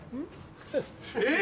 えっ！